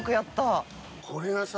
これがさ。